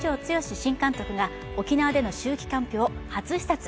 新監督が沖縄での秋季キャンプを初視察。